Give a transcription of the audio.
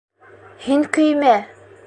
Һин көймә.